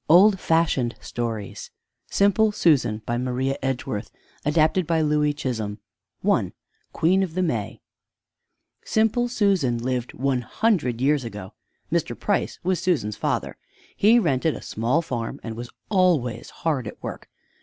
OLD FASHIONED STORIES SIMPLE SUSAN By MARIA EDGEWORTH ADAPTED BY LOUEY CHISHOLM I QUEEN OF THE MAY Simple Susan lived one hundred years ago. Mr. Price was Susan's father. He rented a small farm and was always hard at work.